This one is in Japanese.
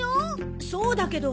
そうだけど。